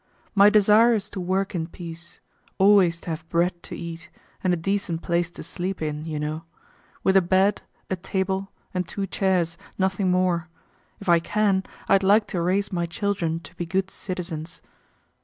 My desire is to work in peace, always to have bread to eat and a decent place to sleep in, you know; with a bed, a table, and two chairs, nothing more. If I can, I'd like to raise my children to be good citizens.